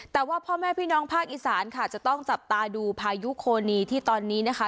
แต่ว่าพ่อแม่พี่น้องภาคอีสานค่ะจะต้องจับตาดูพายุโคนีที่ตอนนี้นะคะ